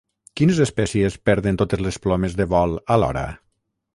Quines espècies perden totes les plomes de vol alhora?